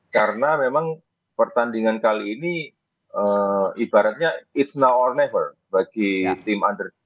karena memang pertandingan kali ini ibaratnya it s now or never bagi tim under